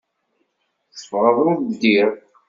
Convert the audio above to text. Teffɣeḍ ur ddiɣ.